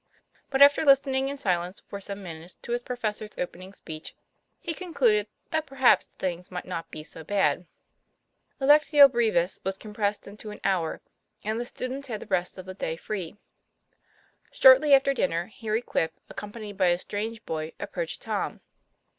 But after listening in silence for some minutes to his professor's opening speech, he concluded that perhaps things might not be so bad. The " Lectio brevis " was compressed into an hour, and the students had the rest of the day free. Shortly after dinner Harry Quip, accompanied by a strange boy, approached Tom.